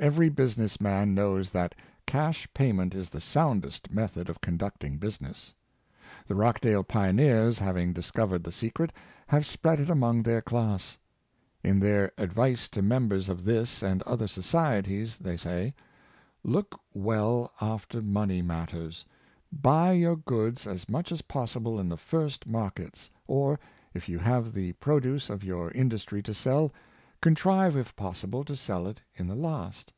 Every business man knows that cash pay ment is the soundest method of conducting business; the Rochdale Pioneers having discovered the secret, have spread it among their class. In their '' advice to members of this and other societies," they say: " Look well after money matters. Buy your goods as much as possible in the first markets; or, if you have the produce of your industry to sell, contrive, if possible, to sell it in the last.